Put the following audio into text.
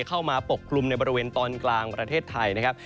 ปกกลุ่มในบริเวณตอนกลางประเทศไทยนะครับ